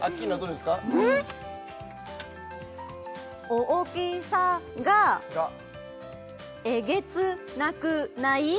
大きさがえげつなくない？